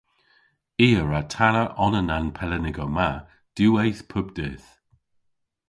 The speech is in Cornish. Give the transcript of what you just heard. I a wra tanna onan a'n pelennigow ma diwweyth pub dydh.